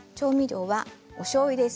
おしょうゆです。